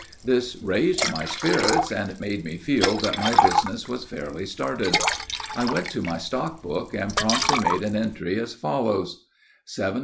This raised my spirits, and made me feel that my business was fairly started. I went to my stock book and promptly made an entry as follows: 7523 1.